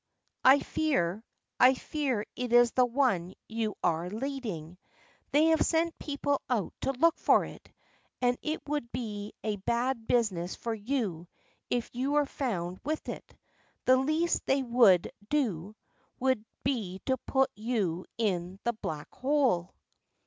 I fear, I fear it is the one you are leading. They have sent people out to look for it, and it would be a bad business for you if you were found with it; the least they would do, would be to put you in the black hole."